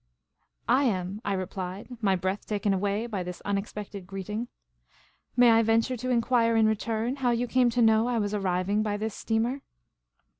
" /am," I replied, my breath taken away by this unex pected greeting. *' May I venture to enquire in return how you came to know I was arriving by this steamer